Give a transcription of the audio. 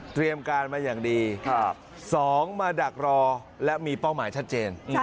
การมาอย่างดี๒มาดักรอและมีเป้าหมายชัดเจน